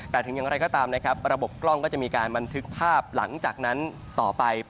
แต่ถึงอย่างไรก็ตามนะครับระบบกล้องก็จะมีการบันทึกภาพหลังจากนั้นต่อไป